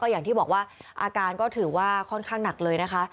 อย่างที่บอกว่าอาการก็ถือว่าค่อนข้างหนักเลยนะคะ